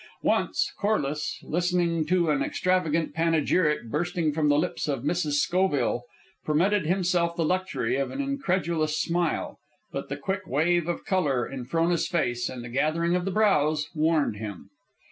Once, Corliss, listening to an extravagant panegyric bursting from the lips of Mrs. Schoville, permitted himself the luxury of an incredulous smile; but the quick wave of color in Frona's face, and the gathering of the brows, warned him.